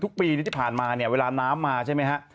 ทุกปีที่ผ่านมาเวลาน้ำมาใช่ไหมคะ